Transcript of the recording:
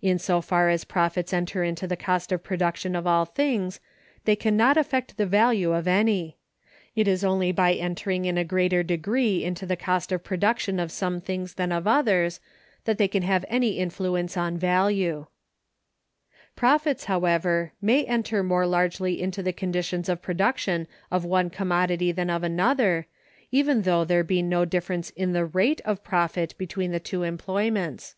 In so far as profits enter into the cost of production of all things, they can not affect the value of any. It is only by entering in a greater degree into the cost of production of some things than of others, that they can have any influence on value. Profits, however, may enter more largely into the conditions of production of one commodity than of another, even though there be no difference in the rate of profit between the two employments.